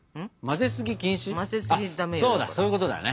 そうだそういうことだよね。